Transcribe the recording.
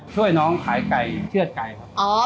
ช่วยน้องขายไก่เชื่อดไก่ครับ